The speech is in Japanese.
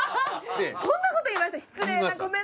そんなこと言いました？